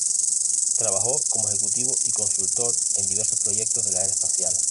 Trabajó como ejecutivo y consultor en diversos proyectos de la era espacial.